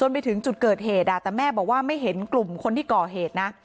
ไปถึงจุดเกิดเหตุแต่แม่บอกว่าไม่เห็นกลุ่มคนที่ก่อเหตุนะ